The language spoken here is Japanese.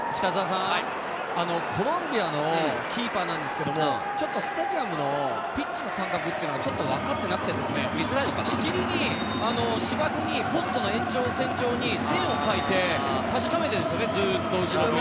コロンビアのキーパーなんですけど、ちょっとスタジアムのピッチの感覚は分かっていなくて、しきりに芝生にポストの延長線上に線を書いて確かめているんですよね、ずっと。